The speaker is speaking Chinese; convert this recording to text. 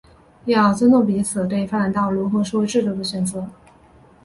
要尊重彼此对发展道路和社会制度的选择